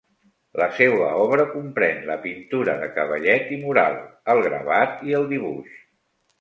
La seua obra comprén la pintura de cavallet i mural, el gravat i el dibuix.